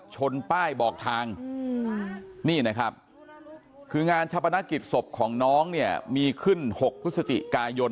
ชนป้ายบอกทางนี่นะครับคืองานชาปนกิจศพของน้องเนี่ยมีขึ้น๖พฤศจิกายน